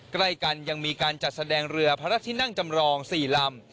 ใกล้กันยังมีการจัดแสดงเรือพระราชที่นั่งจำรอง๔ลำ